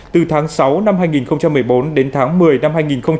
từ tháng sáu năm hai nghìn một mươi bốn đến tháng một mươi năm hai nghìn một mươi chín